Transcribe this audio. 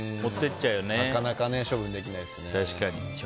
なかなか処分できないですね。